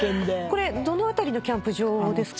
これどの辺りのキャンプ場ですか？